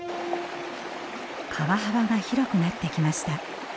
川幅が広くなってきました。